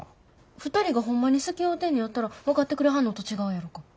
２人がほんまに好き合うてんねやったら分かってくれはんのと違うやろか？